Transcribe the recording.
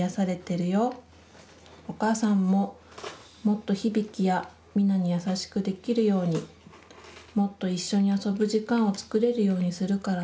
お母さんももっと日々貴やみなに優しくできるようにもっと一緒に遊ぶ時間をつくれるようにするからね。